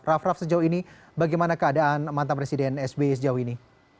raff raff sejauh ini bagaimana keadaan mantan presiden sbi sejauh ini